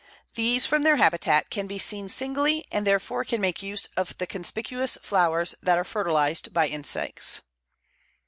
These, from their habitat, can be seen singly, and therefore can make use of the conspicuous flowers that are fertilized by insects.